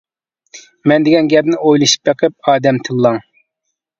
مەن دېگەن گەپنى ئويلىشىپ بېقىپ ئادەم تىللاڭ.